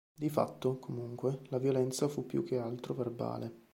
Di fatto, comunque, la violenza fu più che altro verbale.